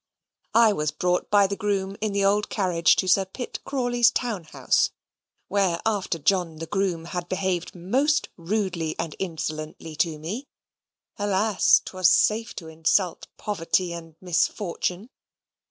I was brought by the groom in the old carriage to Sir Pitt Crawley's town house, where, after John the groom had behaved most rudely and insolently to me (alas! 'twas safe to insult poverty and misfortune!)